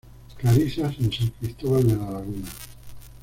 Clarisas en San Cristóbal de La Laguna.